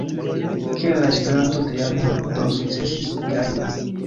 Kiel la Esperanto-teamo do sukcesis gajni?